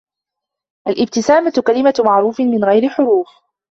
الإبتسامة كلمة معروف من غير حروف.